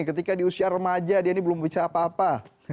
ketika di usia remaja dia ini belum bicara apa apa